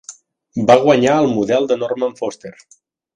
Va guanyar el model de Norman Foster.